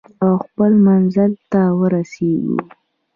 او خپل منزل ته ورسیږو.